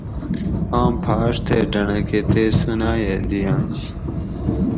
ام پھاۤش تے ڈنڑکہۤ تے سوناۤیہ دِیاںش